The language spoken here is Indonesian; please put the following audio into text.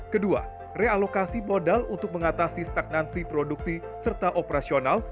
kedua realokasi modal untuk mengatasi stagnansi produksi serta operasional